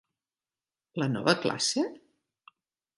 La nova classe?